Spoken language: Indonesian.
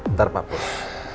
ntar pak bos